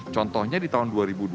contohnya di tahun dua ribu dua puluh